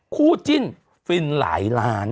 คู่จิ้นฟินหลายล้าน